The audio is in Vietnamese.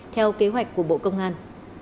theo kế hoạch của bộ công an